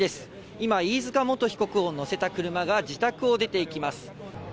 今、飯塚元被告を乗せた車が、自宅を出ていきます。